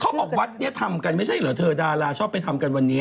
บอกวัดนี้ทำกันไม่ใช่เหรอเธอดาราชอบไปทำกันวันนี้